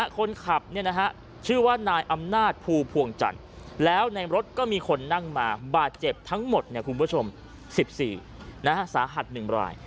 คนขับชื่อว่านายอำนาจภูพวงจันทร์แล้วในรถก็มีคนนั่งมาบาดเจ็บทั้งหมดคุณผู้ชม๑๔สาหัส๑ราย